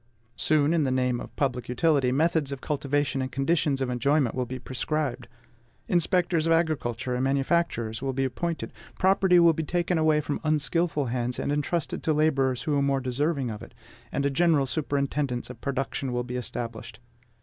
Soon, in the name of public utility, methods of cultivation and conditions of enjoyment will be prescribed; inspectors of agriculture and manufactures will be appointed; property will be taken away from unskilful hands, and entrusted to laborers who are more deserving of it; and a general superintendence of production will be established.